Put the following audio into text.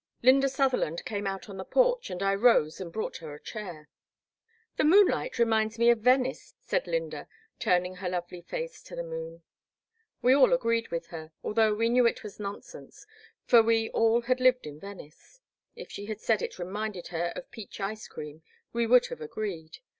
I^ynda Sutherland came out on the porch, and I rose and brought her a chair. The moonlight reminds me of Venice," said Lynda, turning her lovely face to the moon. We all agreed with her, although we knew it was nonsense, for we all had lived in Venice. If she had said it reminded her of peach ice cream, we would have agreed.